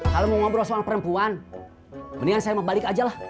kalau mau ngobrol soal perempuan mendingan saya mau balik aja lah